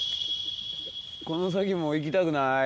この先もう行きたくない。